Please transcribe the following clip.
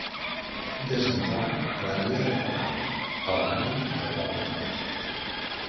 Desemboca a la riera del Palau al barri del Poblenou.